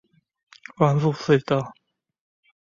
光復隧道